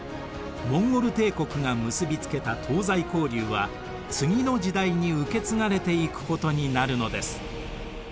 モンゴル帝国が結びつけた東西交流は次の時代に受け継がれていくことになるのです。